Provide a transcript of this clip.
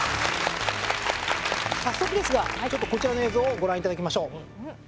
早速ですがちょっとこちらの映像をご覧頂きましょう。